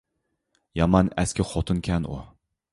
يامان ئەسكى خوتۇنكەن ئۇ!